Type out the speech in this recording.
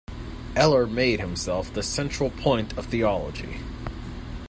Eller made himself the central point of theology.